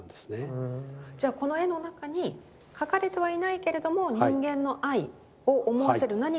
じゃこの絵の中に描かれてはいないけれども人間の愛を思わせる何かが？